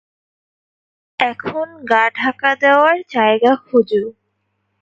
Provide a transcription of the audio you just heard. এখন গা ঢাকা দেওয়ার জায়গা খোঁজো!